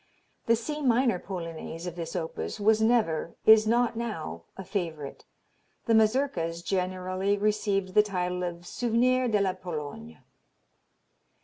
The C minor Polonaise of this opus was never, is not now, a favorite. The mazurkas generally received the title of Souvenir de la Pologne.